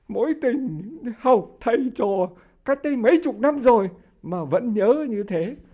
mỗi tình học thầy trò cách đây mấy chục năm rồi mà vẫn nhớ như thế